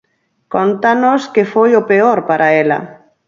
Cóntanos que foi o peor para ela.